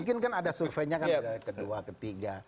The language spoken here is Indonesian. mungkin kan ada surveinya kan kedua ketiga